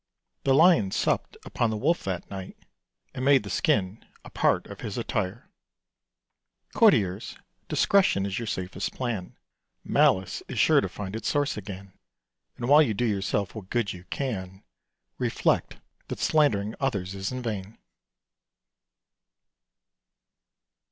The Lion supped upon the Wolf that night, And made the skin a part of his attire. [Illustration: THE LION, THE WOLF, AND THE FOX.] Courtiers, discretion is your safest plan: Malice is sure to find its source again; And, while you do yourself what good you can, Reflect that slandering others is in vain.